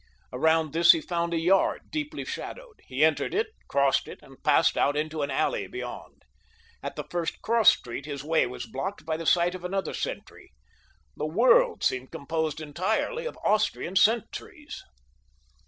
Around this he found a yard, deeply shadowed. He entered it, crossed it, and passed out into an alley beyond. At the first cross street his way was blocked by the sight of another sentry—the world seemed composed entirely of Austrian sentries.